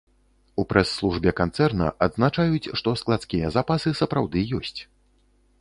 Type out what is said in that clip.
У прэс-службе канцэрна адзначаюць, што складскія запасы сапраўды ёсць.